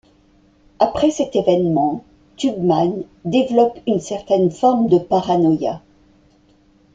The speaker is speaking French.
Après cet événement, Tubman développe une certaine forme de paranoïa.